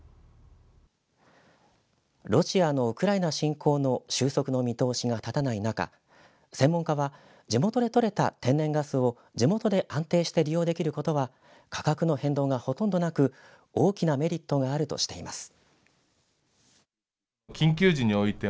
ロシアのウクライナ侵攻の収束の見通しが立たない中、専門家は地元でとれた天然ガスを地元で安定して利用できることは価格の変動がほとんどなく大きなメリットがあるとしています。